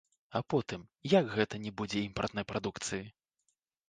А потым, як гэта не будзе імпартнай прадукцыі?